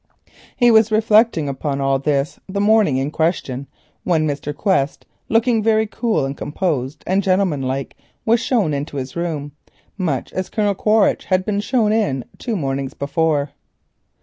He was reflecting upon all this on the morning in question when Mr. Quest, looking very cool, composed and gentlemanlike, was shown into his room, much as Colonel Quaritch had been shown in two mornings before.